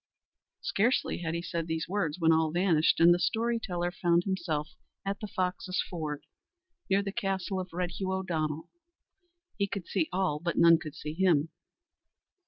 Scarcely had he said these words when all vanished, and the story teller found himself at the Foxes' Ford, near the castle of Red Hugh O'Donnell. He could see all but none could see him.